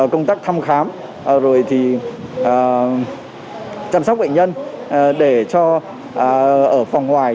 công tác thăm khám rồi chăm sóc bệnh nhân để cho ở phòng ngoài